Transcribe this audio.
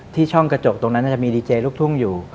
ช่องกระจกตรงนั้นจะมีดีเจลูกทุ่งอยู่